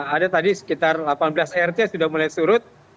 ada tadi sekitar delapan belas rt sudah mulai surut